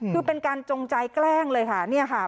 คือเป็นการจงใจแกล้งเลยค่ะ